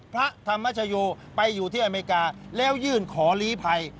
พระธรรมชโยไปอยู่ที่อเมริกาแล้วยื่นขอลีภัย